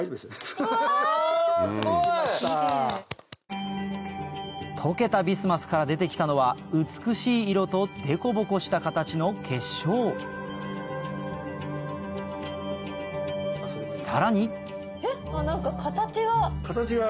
すごい！溶けたビスマスから出て来たのは美しい色とデコボコした形の結晶さらに何か形が。